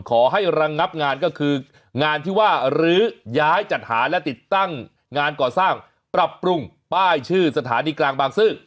ขอให้ระงับงานก็คืองานที่ว่ารื้อย้ายจัดหาและติดตั้งงานก่อสร้างปรับปรุงป้ายชื่อสถานีกลางบางซื่อ